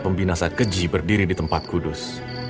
pembina saat keji berdiri di tempat kudus